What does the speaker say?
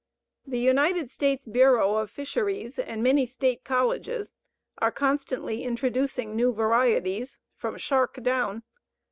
The United States Bureau of Fisheries and many State colleges are constantly introducing new varieties, from shark down.